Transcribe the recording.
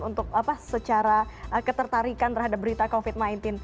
untuk secara ketertarikan terhadap berita covid sembilan belas